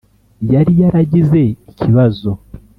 Yari yaragize ikibazo